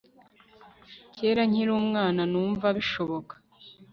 kera nkiri umwana numva bishoboka